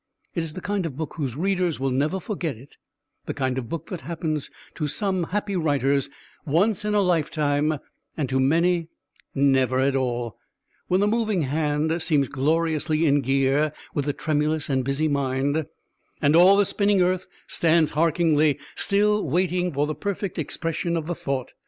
It is the kind of book whose readers will never forget it; the kind of book that happens to some happy writers once in a lifetime (and to many never at all) when the moving hand seems gloriously in gear with the tremulous and busy mind, and all the spinning earth stands hearkeningly still waiting for the perfect expression of the thought.